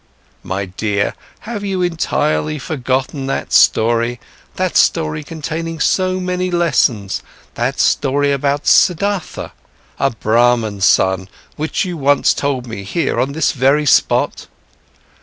My dear, have you entirely forgotten that story, that story containing so many lessons, that story about Siddhartha, a Brahman's son, which you once told me here on this very spot?